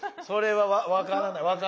それは分からない。